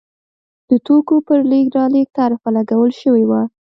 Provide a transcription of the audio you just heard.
د توکو پر لېږد رالېږد تعرفه لګول شوې وه.